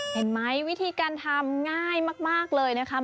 เห็นไหมวิธีการทำง่ายมากเลยนะคะ